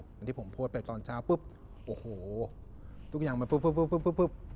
อย่างที่ผมโพสต์ไปตอนเช้าปุ๊บโอ้โหทุกอย่างมันปุ๊บ